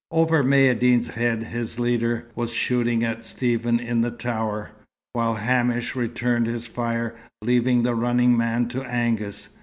Over Maïeddine's head his leader was shooting at Stephen in the tower, while Hamish returned his fire, leaving the running man to Angus.